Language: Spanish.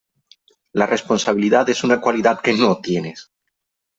La responsabilidad es una cualidad que no tienes.